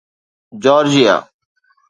Georgia